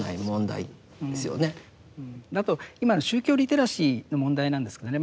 あと今の宗教リテラシーの問題なんですけどね